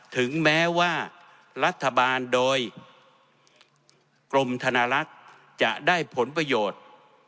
ถึงแม้ว่ารัฐบาลโดยกรมธนลักษณ์จะได้ผลประโยชน์